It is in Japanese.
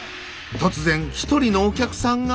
突然一人のお客さんが。